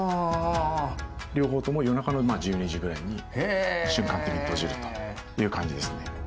両方とも夜中の１２時くらいに瞬間的に閉じるという感じですね。